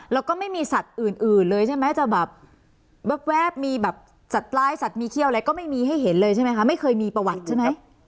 แล้วก็ไม่มีสัตว์อื่นเลยใช่ไหมจะแบบแว๊บมีแบบสัตว์ร้ายสัตว์มีเขี้ยวอะไรก็ไม่มีให้เห็นเลยใช่ไหมคะไม่เคยมีประวัติใช่ไหม